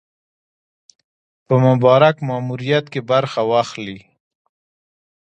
په مبارک ماموریت کې برخه واخلي.